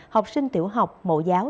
học sinh tiểu học mộ giáo